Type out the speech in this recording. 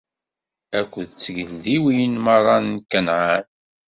Akked tgeldiwin merra n Kanɛan.